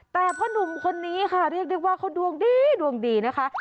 แต่พ่อหนุ่มคนนี้ค่ะเรียกได้ว่าเขาดวงดีดวงดีนะคะ